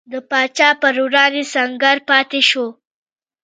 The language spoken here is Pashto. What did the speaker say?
د پاچا پر وړاندې سنګر پاتې شو.